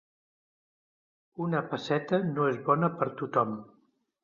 Una pesseta no és bona per tothom.